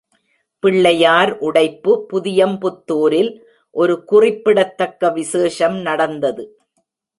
பிள்ளையார் உடைப்பு புதியம்புத்துரில் ஒரு குறிப்பிடத்தக்க விசேஷம் நடந்தது.